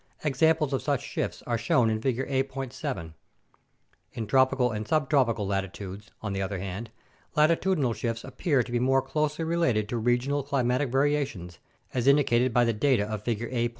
Examples of such shifts are shown in Figure A. 7. In tropical and subtropical latitudes, on the other hand, latitudinal shifts appear to be more closely related to regional climatic variations, as indicated by the data of Figure A.